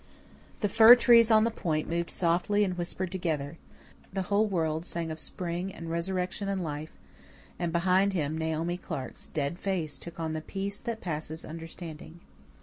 The fir trees on the point moved softly and whispered together. The whole world sang of spring and resurrection and life; and behind him Naomi Clark's dead face took on the peace that passes understanding.